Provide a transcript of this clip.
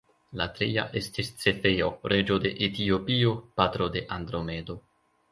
La tria estis Cefeo, reĝo de Etiopio, patro de Andromedo.